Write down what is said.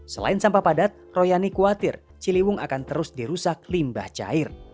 selain sampah padat royani khawatir ciliwung akan terus dirusak limbah cair